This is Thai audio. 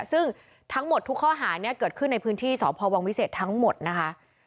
ซึ่งทั้งหมดทุกข้อหาเนี่ยเกิดขึ้นในพื้นที่สพวังวิเศษทั้งหมดนะคะ